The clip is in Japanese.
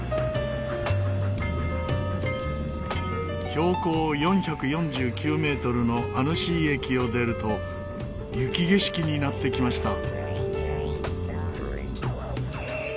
標高４４９メートルのアヌシー駅を出ると雪景色になってきました。